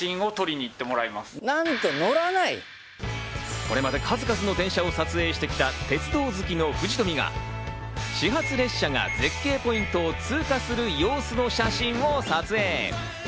これまで数々の電車を撮影してきた鉄道好きの藤富が始発列車が絶景ポイントを通過する様子の写真を撮影。